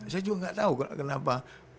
saya juga nggak tahu kenapa